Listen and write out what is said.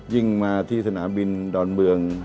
ยิ่งมาที่สนามบินดอนเมือง